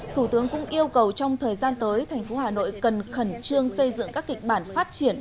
thủ tướng cũng yêu cầu trong thời gian tới thành phố hà nội cần khẩn trương xây dựng các kịch bản phát triển